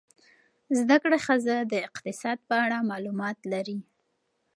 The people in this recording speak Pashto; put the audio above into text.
زده کړه ښځه د اقتصاد په اړه معلومات لري.